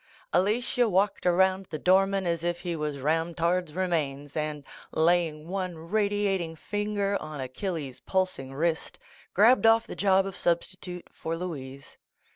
Alatia walked around the doorman as if he was Ramtard's remains, and, laying one radiating finger on Achilles' pulsing wrist, grabbed off the I'ob of substitute for Louise.